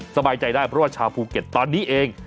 สบายใจได้เพราะว่าชาวภูเก็ตตอนนี้เอง